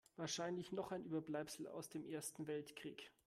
Wahrscheinlich noch ein Überbleibsel aus dem Ersten Weltkrieg.